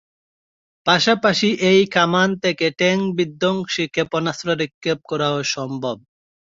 পাশাপাশি এই কামান থেকে ট্যাংক-বিধ্বংসী ক্ষেপণাস্ত্র নিক্ষেপ করাও সম্ভব।